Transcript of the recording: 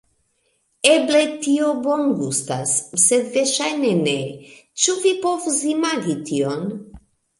Eble, tio bongustas sed verŝajne ne... ĉu vi povus imagi tion?